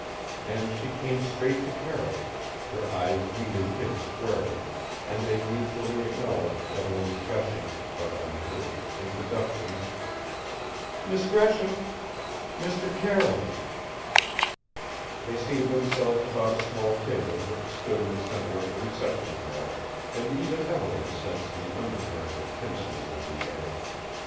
And she came straight to Carroll her eyes meeting his squarely and they mutually acknowledged Evelyn's gushing, but unheard, introduction "Miss Gresham " "Mr. Carroll " They seated themselves about a small table which stood in the center of the reception hall, and even Evelyn sensed the undercurrent of tenseness in the air.